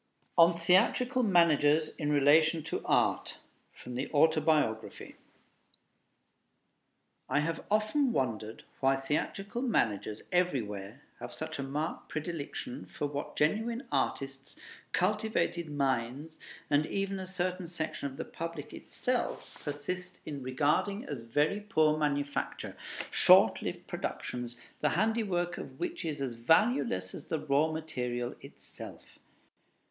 ON THEATRICAL MANAGERS IN RELATION TO ART From the 'Autobiography' I have often wondered why theatrical managers everywhere have such a marked predilection for what genuine artists, cultivated minds, and even a certain section of the public itself persist in regarding as very poor manufacture, short lived productions, the handiwork of which is as valueless as the raw material itself.